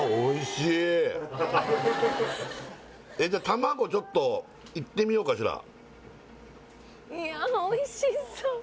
しいっ卵ちょっといってみようかしら